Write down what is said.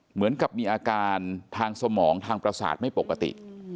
เหมือนกับมีอาการทางสมองทางประสาทไม่ปกติ